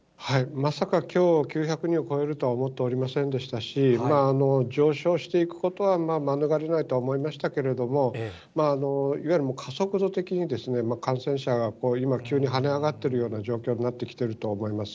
まさかきょう９００人を超えるとは思っておりませんでしたし、上昇していくことは免れないとは思いましたけれども、いわゆる加速度的に感染者が今、急に跳ね上がっているような状況になってきてると思います。